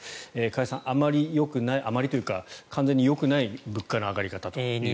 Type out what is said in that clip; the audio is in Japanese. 加谷さん、あまりよくないあまりというか完全によくない物価の上がり方ですね。